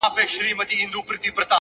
علم د وخت ارزښت ښيي,